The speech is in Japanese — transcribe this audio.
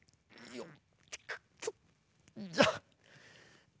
よっ！